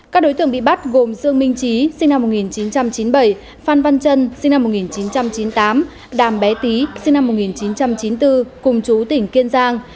các đối tượng bị bắt gồm dương minh trí sinh năm một nghìn chín trăm chín mươi bảy phan văn trân sinh năm một nghìn chín trăm chín mươi tám đàm bé tý sinh năm một nghìn chín trăm chín mươi bốn cùng chú tỉnh kiên giang